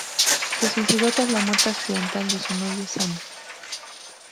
Se suicidó tras la muerte accidental de su novio Sam.